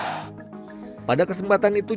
pada kesempatan itu capres cawapres akan diusung